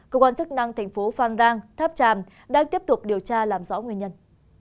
cơ quan chức năng tp phan rang tháp tràm đang tiếp tục điều tra làm rõ nguyên nhân